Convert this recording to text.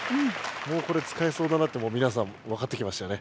もうこれ使えそうだなってみなさんわかってきましたよね。